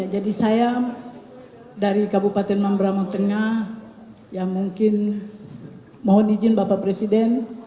jadi saya dari kabupaten mamberamo tengah ya mungkin mohon izin bapak presiden